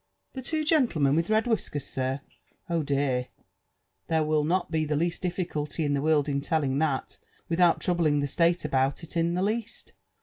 ^* The two gentlemen with red whiskers, sirl Oh dear \ iliere will Mk be>the least difficulty in the world in teliing that, without treubling the SUte about it m the ^east.